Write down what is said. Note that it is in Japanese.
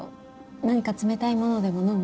何か冷たいものでも飲む？